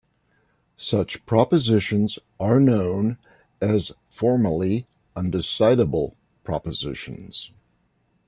Such propositions are known as formally undecidable propositions.